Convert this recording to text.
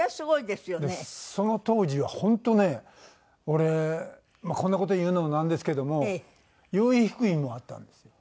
でその当時は本当ね俺まあこんな事言うのもなんですけども養育費もあったんですよ。